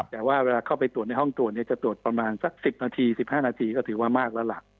แต่ว่าเวลาเข้าไปตรวจในห้องตรวจจะตรวจประมาณสัก๑๐นาที๑๕นาทีก็ถือว่ามากแล้วล่ะ